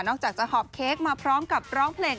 จากจะหอบเค้กมาพร้อมกับร้องเพลง